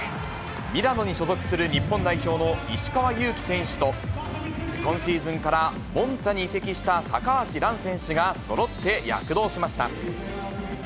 ミラノに所属する日本代表の石川祐希選手と、今シーズンからモンツァに移籍した高橋藍選手がそろって躍動しました。